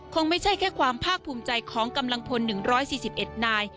คงไม่ใช่แค่ความภาคภูมิใจของกำลังพล๑๔๑นาย